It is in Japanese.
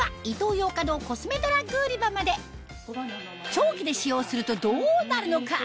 長期で使用するとどうなるのか？